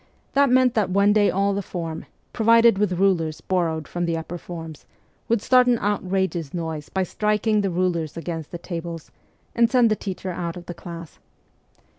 That meant that one day all the form, provided with rulers borrowed from the upper forms, would start an outrageous noise by striking the rulers against the tables, and send the teacher out of the class.